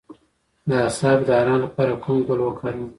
د اعصابو د ارام لپاره کوم ګل وکاروم؟